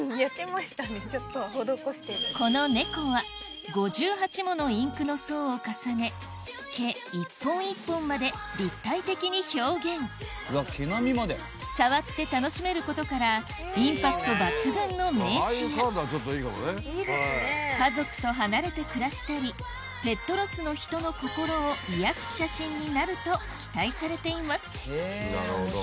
この猫は５８ものインクの層を重ね毛一本一本まで立体的に表現触って楽しめることからインパクト抜群の名刺や家族と離れて暮らしたりペットロスの人の心を癒やす写真になると期待されています